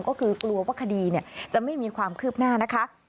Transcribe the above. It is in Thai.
ก็คือกลัวว่าคดีจะไม่มีความคืบหน้านะคะ